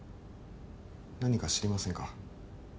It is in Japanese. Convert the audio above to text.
何か知りませんか？